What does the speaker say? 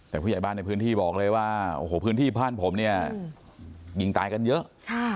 แต่ผู้ใหญ่บ้านในพื้นที่บอกเลยว่าโอ้โหพื้นที่บ้านผมเนี่ยยิงตายกันเยอะ